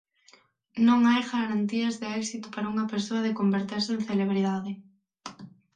Non hai garantías de éxito para unha persoa de converterse en celebridade.